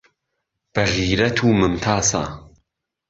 بهغيرەت و ممتاسه